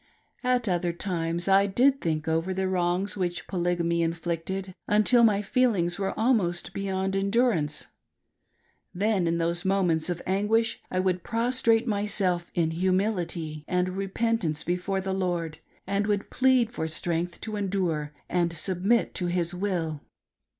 At other times I did think over the wrongs which Polygamy inflicted, until my feelings were' almost ibeyond endurance ; then in those moments of anguish A "REBELLIOUS WOMAN. 433. I would prostrate myself in humility and repentance feeiore the Lord, and would plead lor strength to endure and submit to His will.